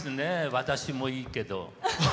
私もいいけど。